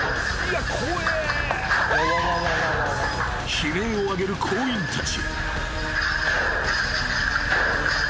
［悲鳴を上げる行員たち］